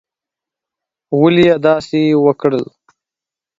ولي یې داسي وکړل؟